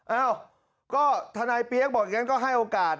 เอ้าก็ทนายเปี๊ยกบอกอย่างนั้นก็ให้โอกาส